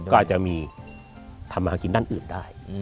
ก็อาจจะมีทำมากินด้านอื่นได้